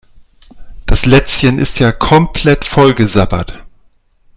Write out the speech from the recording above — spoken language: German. Das Lätzchen ist ja komplett vollgesabbert.